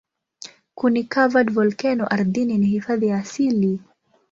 Kuni-covered volkeno ardhini ni hifadhi ya asili.